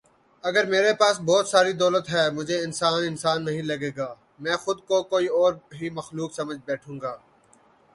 اگر میرے پاس بہت ساری دولت ہے مجھے انسان انسان نہیں لگے گا۔۔ می خود کو کوئی اور ہی مخلوق سمجھ بیٹھوں گا